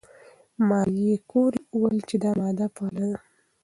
ماري کوري وویل چې دا ماده فعاله ده.